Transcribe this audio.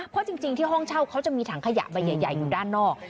เพราะจริงที่ห้องเช่าเขาจะมีถังขยะใบใหญ่อยู่ด้านนอก